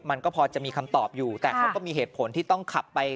มันก็พอจะมีคำตอบอยู่แต่เขาก็มีเหตุผลที่ต้องขับไป